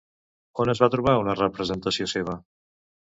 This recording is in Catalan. On es va trobar una representació seva?